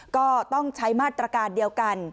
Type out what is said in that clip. ก็ต้องใช้มาตรการเดียวกัน